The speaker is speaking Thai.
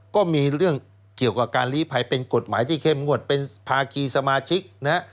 ก็มีเรื่องเกี่ยวกับการลีภัยเป็นกฎหมายที่เข้มงวดเป็นภาคีสมาชิกนะฮะ